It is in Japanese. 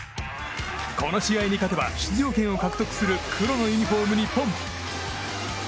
この試合に勝てば出場権を獲得する黒のユニホーム、日本。